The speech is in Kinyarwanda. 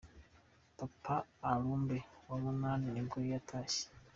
Papa arumbe wa munani nibwo yatashye.